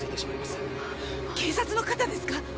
警察の方ですか？